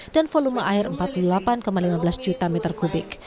dan volume air empat puluh delapan lima belas juta meter kubik